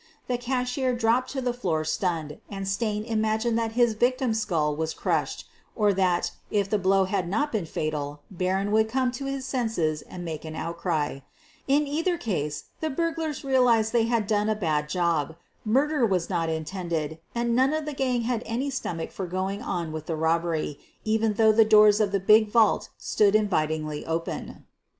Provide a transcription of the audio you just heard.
The cashier dropped to the floor stunned and Stain imagined that his victim's skull was crushed, or that, if the blow had not been fatal, Barron would come to 236 SOPHIE LYONS his senses and make an outcry. In either case the burglars realized that they had done a bad job. Murder was not intended, and none of the gang had any stomach for going on with the robbery, even though the doors of the big vault stood invitingly open.